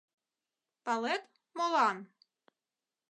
Палет, молан?